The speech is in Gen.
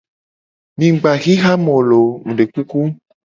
Mu gba xixa mu lo o mu de kuku.